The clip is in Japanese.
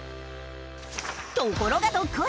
ところがどっこい